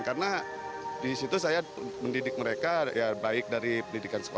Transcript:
karena di situ saya mendidik mereka baik dari pendidikan sekolah